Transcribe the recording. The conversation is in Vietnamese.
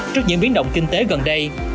trước những biến động kinh tế gần đây